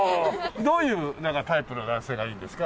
どういうタイプの男性がいいんですか？